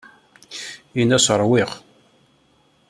Ini-as ṛwiɣ.